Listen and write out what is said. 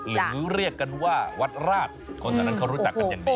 หรือเรียกกันว่าวัดราชคนเท่านั้นเขารู้จักกันอย่างดี